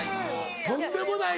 とんでもない。